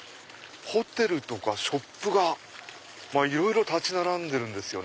ホテルとかショップがいろいろ立ち並んでるんですよ。